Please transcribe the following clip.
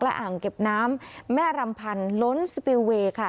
อ่างเก็บน้ำแม่รำพันธ์ล้นสปิลเวย์ค่ะ